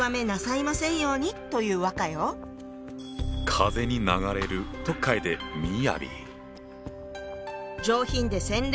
風に流れると書いて「みやび」。